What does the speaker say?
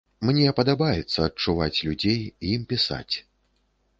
Мне падабаецца адчуваць людзей, ім пісаць.